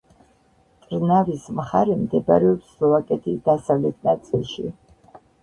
ტრნავის მხარე მდებარეობს სლოვაკეთის დასავლეთ ნაწილში.